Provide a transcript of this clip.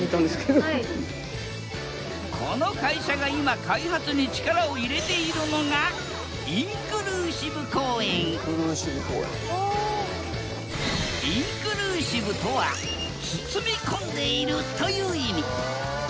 この会社が今開発に力を入れているのがインクルーシブとは「包み込んでいる」という意味。